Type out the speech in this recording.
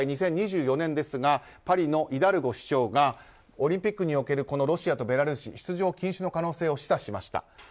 ２０２４年ですが、パリのイダルゴ市長がオリンピックにおけるロシアとベラルーシの出場禁止の可能性を示唆しました。